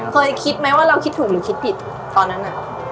เคยคิดไหมว่าเราคิดถูกหรือคิดผิดตอนนั้น